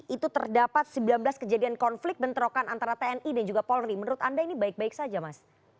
itu terdapat sembilan belas kejadian konflik bentrokan antara tni dan juga polri menurut anda ini baik baik saja mas